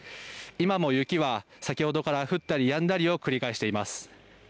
今も雪は先ほどから降ったりやんだりを繰り返しています。